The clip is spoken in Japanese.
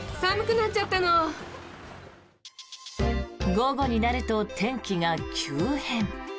午後になると天気が急変。